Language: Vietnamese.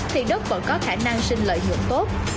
thì đất vẫn có khả năng sinh lợi nhuận tốt